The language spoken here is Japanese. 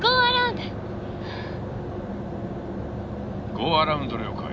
ゴーアラウンド了解。